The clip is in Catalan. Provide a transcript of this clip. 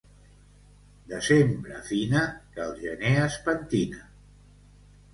Desembre fina, que el gener es pentina.